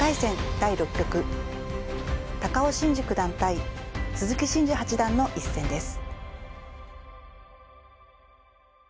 第６局高尾紳路九段対鈴木伸二八段の一戦です。